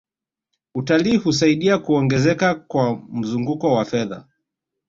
utalii husaidia kuongezeka kwa mzunguko wa fedha